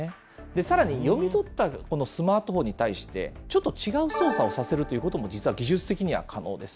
さらに読み取ったこのスマートフォンに対して、ちょっと違う操作をさせるということも、実は技術的には可能です。